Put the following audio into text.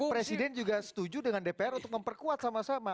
presiden juga setuju dengan dpr untuk memperkuat sama sama